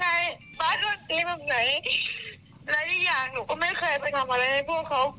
แต่ทำไมต้องไปลงที่ลูกหนูทำไมต้องแบบว่าไม่มาลงที่หนูด้วย